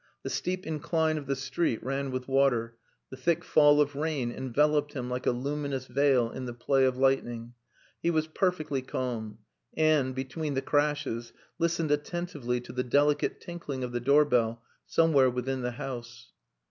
The steep incline of the street ran with water, the thick fall of rain enveloped him like a luminous veil in the play of lightning. He was perfectly calm, and, between the crashes, listened attentively to the delicate tinkling of the doorbell somewhere within the house.